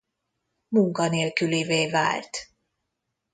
Munkanélkülivé vált.